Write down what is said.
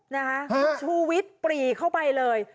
ชูวิทย์ปรีเข้าไปเลย